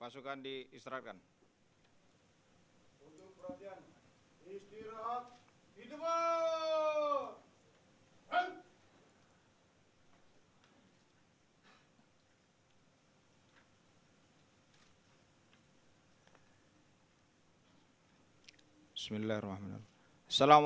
assalamu'alaikum warahmatullahi wabarakatuh